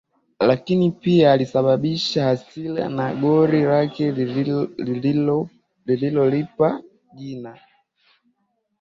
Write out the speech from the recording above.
Lakini pia alisababisha hasira na goli lake alilolipa jina